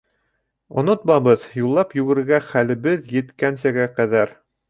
— Онотмабыҙ, юллап йүгерергә хәлебеҙ еткәнсәгә ҡәҙәр...